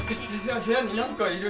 部屋になんかいる！